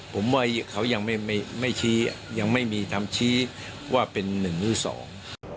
ผมว่าเขายังไม่ไม่ไม่ชี้ยังไม่มีคำชี้ว่าเป็นหนึ่งหรือสอง